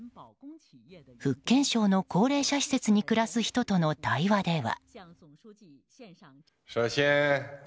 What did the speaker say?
福建省の高齢者施設に暮らす人との対話では。